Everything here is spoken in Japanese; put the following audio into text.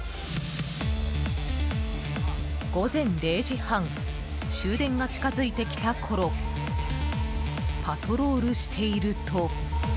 午前０時半終電が近づいてきたころパトロールしていると。